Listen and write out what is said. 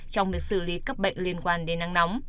trong việc xử lý các bệnh liên quan đến nắng nóng